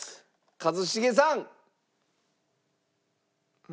一茂さん！